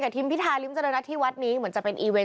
ทีมพิธาริมเจริญรัฐที่วัดนี้เหมือนจะเป็นอีเวนต